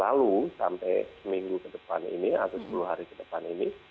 lalu sampai seminggu ke depan ini atau sepuluh hari ke depan ini